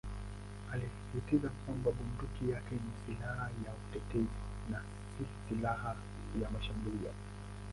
Alisisitiza kwamba bunduki yake ni "silaha ya utetezi" na "si silaha ya mashambulio".